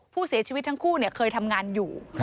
ผู้เสียชีวิตทั้งคู่เคยทำงานอยู่